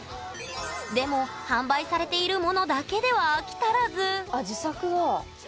でも販売されているものだけでは飽き足らずあ自作だ。